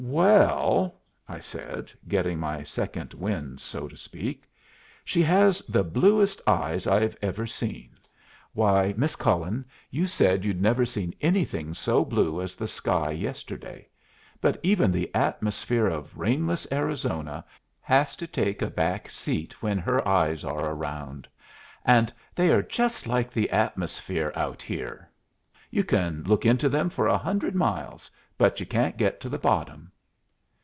"Well," I said, getting my second wind, so to speak, "she has the bluest eyes I've ever seen. Why, Miss Cullen, you said you'd never seen anything so blue as the sky yesterday; but even the atmosphere of 'rainless Arizona' has to take a back seat when her eyes are round. And they are just like the atmosphere out here. You can look into them for a hundred miles, but you can't get to the bottom."